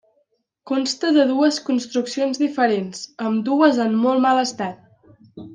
Consta de dues construccions diferents, ambdues en molt mal estat.